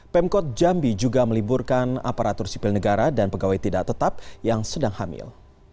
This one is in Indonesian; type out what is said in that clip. pemkot jambi juga meliburkan aparatur sipil negara dan pegawai tidak tetap yang sedang hamil